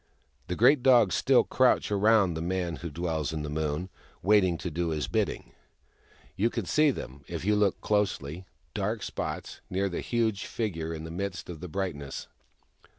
The great dogs still crouch around the Man Who DweUs ln The Moon, waiting to do his bidding. You 150 THE MAIDEN WHO FOUND THE MOON can see them, if you look closely — dark spots, near the huge figure in the midst of the brightness.